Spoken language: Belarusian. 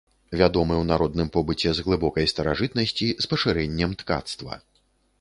Вядомы ў народным побыце з глыбокай старажытнасці з пашырэннем ткацтва.